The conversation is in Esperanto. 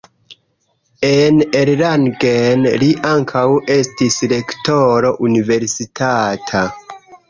En Erlangen li ankaŭ estis rektoro universitata.